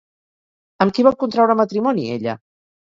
Amb qui va contraure matrimoni ella?